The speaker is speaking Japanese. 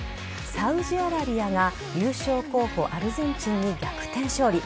サウジアラビアが優勝候補・アルゼンチンに逆転勝利。